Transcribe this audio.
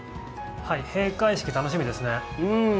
閉会式楽しみですね。